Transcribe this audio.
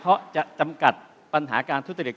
เพราะจะจำกัดปัญหาการทุจริต